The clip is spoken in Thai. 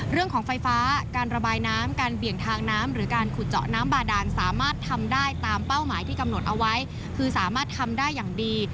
เรื่องของไฟฟ้าการระบายน้ำการเบี่ยงทางน้ำหรือการขุดเจาะน้ำบาดานสามารถทำได้ตามเป้าหมายที่กำหนดเอาไว้คือสามารถทำได้อย่างดี